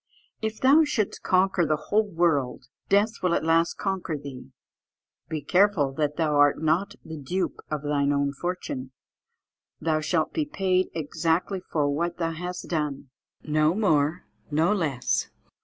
"If thou shouldst conquer the whole world, death will at last conquer thee. "Be careful that thou art not the dupe of thine own fortune. "Thou shalt be paid exactly for what thou hast done; no more, no less."